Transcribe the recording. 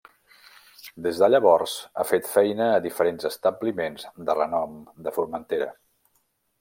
Des de llavors ha fet feina a diferents establiments de renom de Formentera.